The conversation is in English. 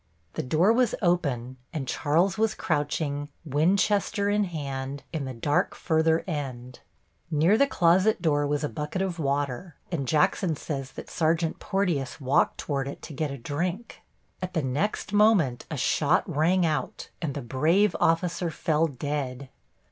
The door was open and Charles was crouching, Winchester in hand, in the dark further end. Near the closet door was a bucket of water, and Jackson says that Sergeant Porteous walked toward it to get a drink. At the next moment a shot rang out and the brave officer fell dead.